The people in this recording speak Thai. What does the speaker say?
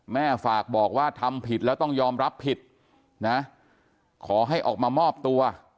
แม่ฝากบอกว่าทำผิดแล้วต้องยอมรับผิดนะขอให้ออกมามอบตัว